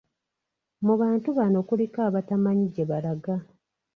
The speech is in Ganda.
Mu bantu bano kuliko abatamanyi gye balaga.